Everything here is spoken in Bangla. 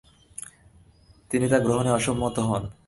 তিনি তা গ্রহণে অসম্মত হন।